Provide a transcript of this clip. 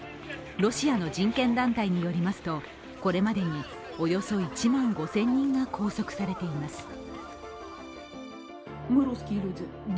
ロシアの人権団体によりますとこれまでにおよそ１万５０００人が拘束されています。